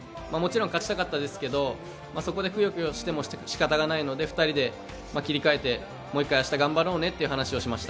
勝ちたかったですけどそこでくよくよしても仕方がないので２人で切り替えて、もう１回明日、頑張ろうねって話をしました。